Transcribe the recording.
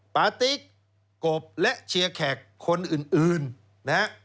ปาติ๊กกบและเชียร์แขกคนอื่นนะฮะ